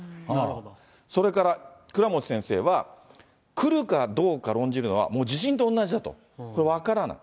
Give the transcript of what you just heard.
それから倉持先生は、来るかどうか論じるのはもう地震と同じだと、これ、分からない。